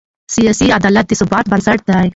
سیاسي عدالت د ثبات بنسټ دی